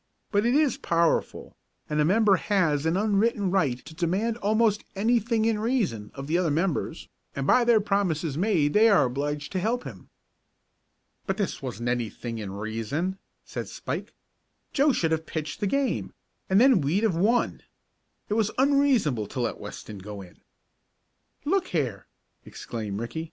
"But it is powerful, and a member has an unwritten right to demand almost anything in reason of the other members, and by their promises made they are obliged to help him." "But this wasn't anything in reason," said Spike. "Joe should have pitched the game, and then we'd have won. It was unreasonable to let Weston go in." "Look here!" exclaimed Ricky.